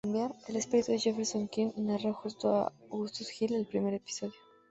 El espíritu de Jefferson Keane narra, junto a Augustus Hill, el primer episodio.